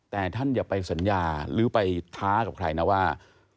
แต่ท่านอย่าไปสัญญาหรือไปท้ากับใครนะว่า